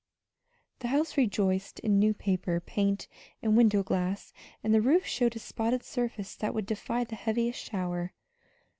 The house rejoiced in new paper, paint, and window glass, and the roof showed a spotted surface that would defy the heaviest shower.